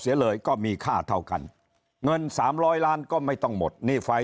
เสียเลยก็มีค่าเท่ากันเงิน๓๐๐ล้านก็ไม่ต้องหมดนี่ฝ่าย